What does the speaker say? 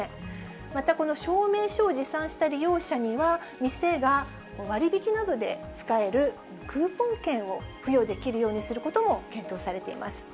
また、この証明書を持参した利用者には、店が割引などで使えるクーポン券を付与できるようにすることも検討されています。